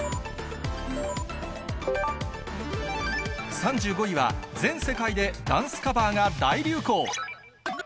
３５位は、全世界でダンスカバーが大流行。